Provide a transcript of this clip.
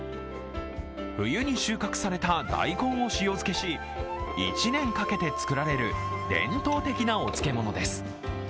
冬に収穫された大根を塩漬けし１年かけて作られる伝統的なお漬け物です。